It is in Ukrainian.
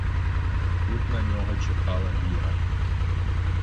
Тут на нього чекала віра.